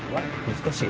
難しい。